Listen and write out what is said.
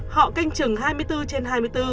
họ canh chừng hai mươi bốn trên hai mươi bốn